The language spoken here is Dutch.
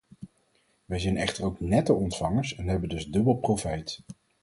Wij zijn echter ook netto-ontvangers en hebben dus dubbel profijt.